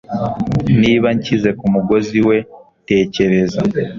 Niba nshyize kumugozi we tekereza